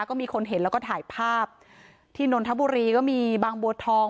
ก็มีคนเห็นแล้วก็ถ่ายภาพที่นนทบุรีก็มีบางบัวทอง